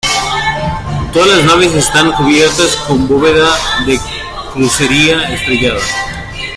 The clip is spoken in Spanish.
Todas las naves están cubiertas con bóveda de crucería estrellada.